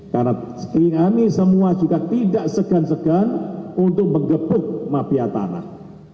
karena kami semua juga tidak segan segan untuk mengebuk mafia tanah